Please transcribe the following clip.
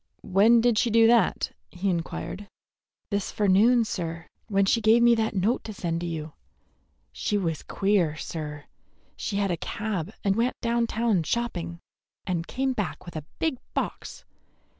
"When did she do that?" he inquired. "This forenoon, sir, when she gave me that note to send to you. She was queer, sir. She had a cab and went down town shopping, and came back with a big box.